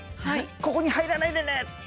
ここにはいらないでね！」